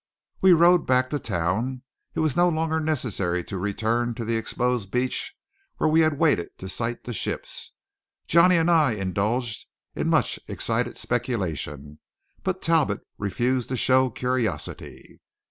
We rowed back to town; it was no longer necessary to return to the exposed beach where we had waited to sight the ships. Johnny and I indulged in much excited speculation, but Talbot refused to show curiosity.